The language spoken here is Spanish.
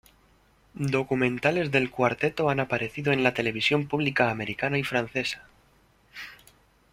Documentales del Cuarteto han aparecido en la televisión pública americana y francesa.